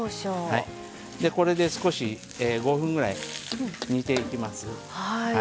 これで少し５分ぐらい煮ていきます。